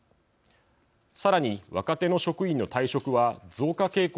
さらに若手の職員の退職は増加傾向にあります。